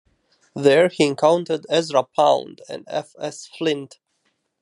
There he encountered Ezra Pound and F. S. Flint.